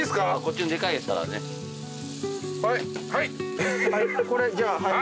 はいこれじゃあはい。